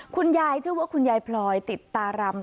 คุณยายชื่อว่าคุณยายพลอยติดตารำ